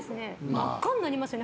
真っ赤になりますよね。